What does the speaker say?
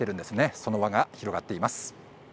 その輪が広がっています。